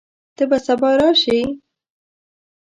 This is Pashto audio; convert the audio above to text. ته به سبا راشې؟